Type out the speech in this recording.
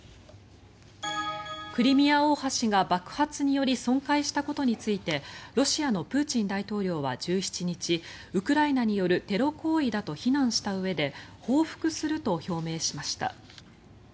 クリミア大橋が爆発により損壊したことについてロシアのプーチン大統領は１７日ウクライナによるテロ行為だと非難したうえで報復すると表明しました。